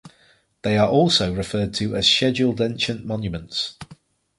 They are also referred to as scheduled ancient monuments.